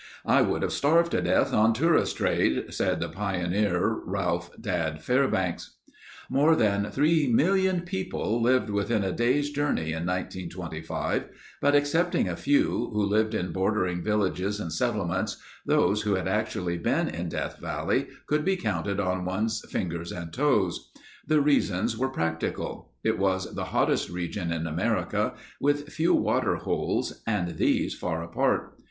"I would have starved to death on tourists' trade," said the pioneer Ralph (Dad) Fairbanks. More than 3,000,000 people lived within a day's journey in 1925, but excepting a few, who lived in bordering villages and settlements, those who had actually been in Death Valley could be counted on one's fingers and toes. The reasons were practical. It was the hottest region in America, with few water holes and these far apart.